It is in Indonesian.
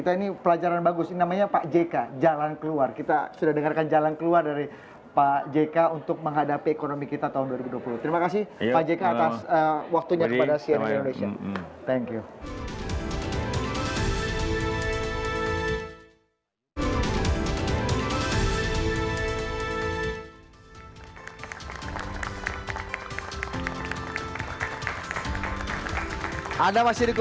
tapi jangan hambur hamburkan yang tidak perlu